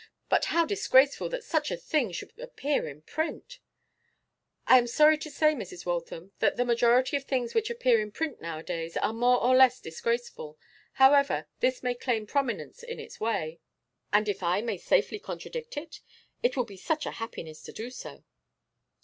But how disgraceful that such a thing should appear in print!' 'I am sorry to say, Mrs. Waltham, that the majority of things which appear in print nowadays are more or less disgraceful. However, this may claim prominence, in its way.' 'And I may safely contradict it? It will be such a happiness to do so.